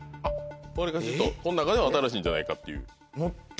これがちょっとこの中では新しいんじゃないかっていう。